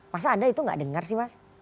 masa anda itu nggak dengar sih mas